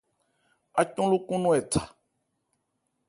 Ácɔn lókɔn nɔ̂n ɛ tha.